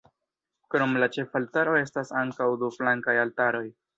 Krom la ĉefaltaro estas ankaŭ du flankaj altaroj.